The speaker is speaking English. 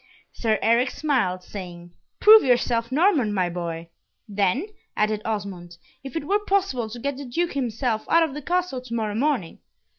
Sir Eric smiled, saying, "Prove yourself Norman, my boy." "Then," added Osmond, "if it were possible to get the Duke himself out of the castle to morrow morning.